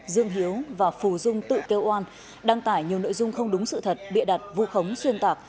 dương hiếu và phù dung tự kêu oan đăng tải nhiều nội dung không đúng sự thật bịa đặt vu khống xuyên tạc